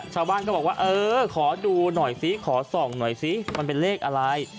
ชาวบ้านก็บอกว่าเออขอดูหน่อยซิขอส่องหน่อยซิมันเป็นเลขอะไร